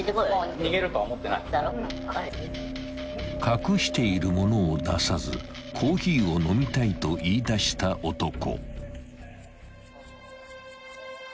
［隠しているものを出さずコーヒーを飲みたいと言いだした男］